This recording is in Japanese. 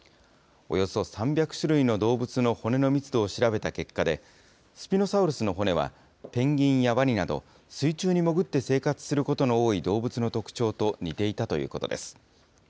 およそ３００種類の動物の骨の密度を調べた結果で、スピノサウルスの骨は、ペンギンやワニなど、水中に潜って生活することの多い動物の特徴と似ていたということです。